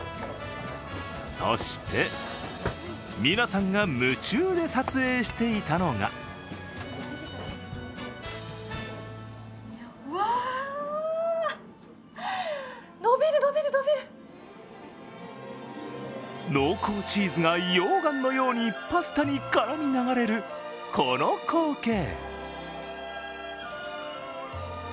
そして、皆さんが夢中で撮影していたのが濃厚チーズが溶岩のようにパスタに絡み流れる、この光景。